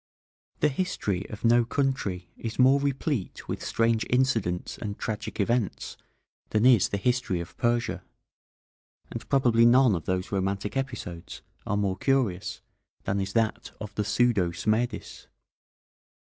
The history of no country is more replete with strange incidents and tragic events than is the history of Persia, and probably none of those romantic episodes are more curious than is that of the pseudo Smerdis.